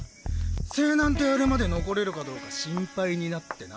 勢南とやるまで残れるかどうか心配になってな。